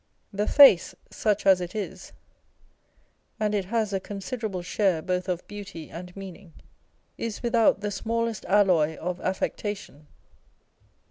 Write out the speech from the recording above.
The face (such as it is, and it has a considerable share both of beauty and meaning) is with out the smallest alloy of affectation.